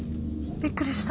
びっくりした。